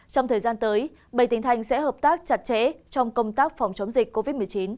trong thời gian tới bảy tỉnh thành sẽ hợp tác chặt chẽ trong công tác phòng chống dịch covid một mươi chín